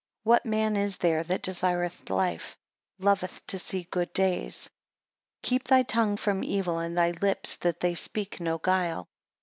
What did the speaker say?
What man is there that desireth life, and loveth to see good days? 3 Keep thy tongue from evil, and thy lips that they speak no guile.